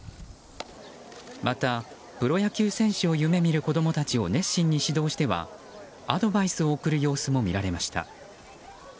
またプロ野球選手を夢見る子供たちを熱心に指導してはアドバイスを送る様子も見られました。